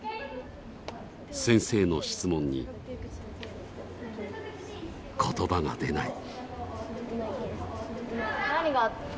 先生の質問に言葉が出ない。